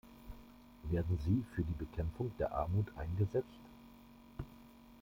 Werden sie für die Bekämpfung der Armut eingesetzt?